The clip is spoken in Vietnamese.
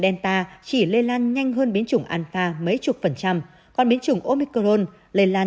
delta chỉ lây lan nhanh hơn biến chủng anfa mấy chục phần trăm còn biến chủng omicron lây lan